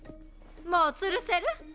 もうつるせる？